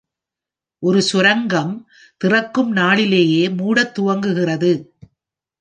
ஒரு சுரங்கம் திறக்கும் நாளிலேயே மூடத் துவங்குகிறது.